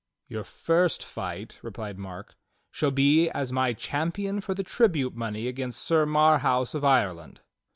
"Your first fight," replied Mark, "shall be as my champion for the tribute money against Sir Marhaus of Ireland."